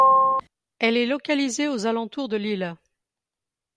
Elle est localisée aux alentours de Lille.